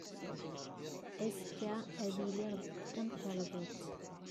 Azekka, ad iliɣ deg temkarḍit.